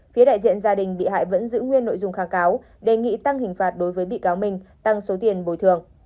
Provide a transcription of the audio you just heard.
phía đại diện gia đình bị hại vẫn giữ nguyên nội dung kháng cáo đề nghị tăng hình phạt đối với bị cáo minh tăng số tiền bồi thường